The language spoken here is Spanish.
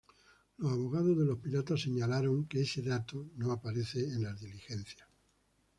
Los abogados de los piratas señalaron que ""ese dato no aparece en las diligencias"".